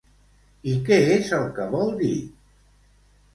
I què és el que vol dir?